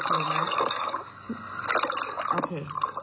โอเค